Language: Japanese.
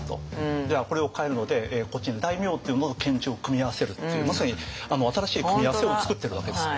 じゃあこれをかえるのでこっちの大名っていうのと検地を組み合わせるっていうまさに新しい組み合わせをつくってるわけです。